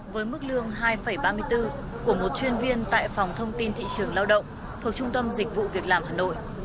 với mức lương hai ba mươi bốn của một chuyên viên tại phòng thông tin thị trường lao động thuộc trung tâm dịch vụ việc làm hà nội